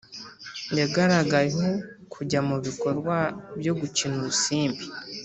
yagaragayeho kujya mu bikorwa byo gukina urusimbi